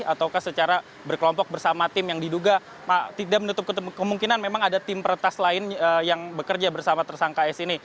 ataukah secara berkelompok bersama tim yang diduga tidak menutup kemungkinan memang ada tim peretas lain yang bekerja bersama tersangka s ini